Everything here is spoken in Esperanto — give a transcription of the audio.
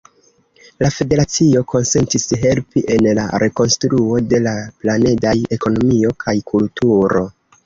La federacio konsentis helpi en la rekonstruo de la planedaj ekonomio kaj kulturo.